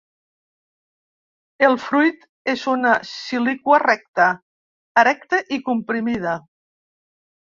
El fruit és una síliqua recta, erecta i comprimida.